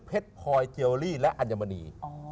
เพชรพอยเกียวลีและอัญมณี